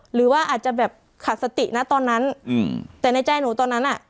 หรือว่าอาจจะแบบขาดสตินะตอนนั้นอืมแต่ในใจหนูตอนนั้นอ่ะ